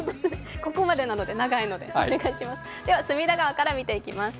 ここまでなので、長いのでお願いします。